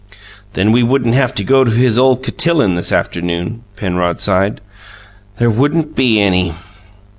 "Then we wouldn't have to go to his ole cotillon this afternoon," Penrod sighed. "There wouldn't be any!"